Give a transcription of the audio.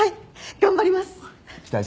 頑張ります！